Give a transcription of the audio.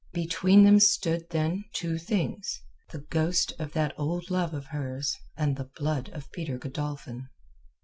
Between them stood, then, two things; the ghost of that old love of hers and the blood of Peter Godolphin.